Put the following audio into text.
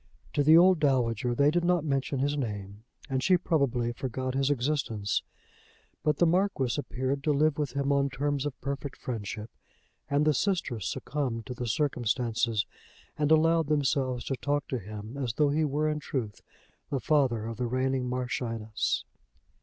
To the old dowager they did not mention his name, and she probably forgot his existence; but the Marquis appeared to live with him on terms of perfect friendship, and the sisters succumbed to the circumstances and allowed themselves to talk to him as though he were in truth the father of the reigning Marchioness.